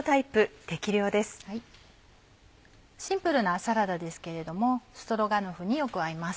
シンプルなサラダですけれどもストロガノフによく合います。